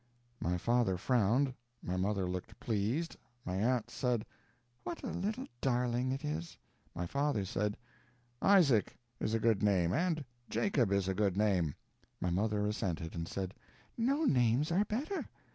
My father frowned, my mother looked pleased; my aunt said: "What a little darling it is!" My father said: "Isaac is a good name, and Jacob is a good name." My mother assented, and said: "No names are better.